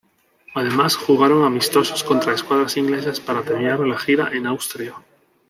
Ademas jugaron amistosos contra escuadras inglesas, para terminar la gira en Austria.